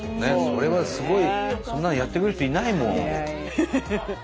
それはすごいそんなのやってくれる人いないもん。